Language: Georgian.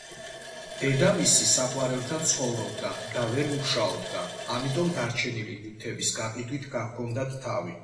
დედამისი საყვარელთან ცხოვრობდა და ვერ მუშაობდა, ამიტომ, დარჩენილი ნივთების გაყიდვით გაჰქონდათ თავი.